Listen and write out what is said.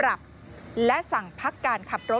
และสั่งพักการขับรถ